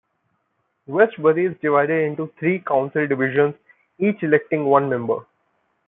Westbury is divided into three council divisions, each electing one member.